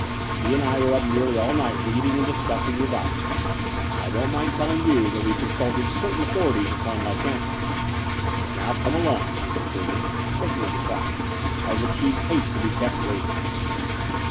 He and I were up nearly all night reading and discussing your docu ments ; and I don't mind telling you that we con stdted certain authorities upon lycanthropy . Now come along," he concluded, looking at the clock, as the Chief hates to be kept waiting."